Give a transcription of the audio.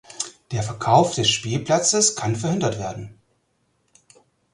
Der Verkauf des Spielplatzes kann verhindert werden.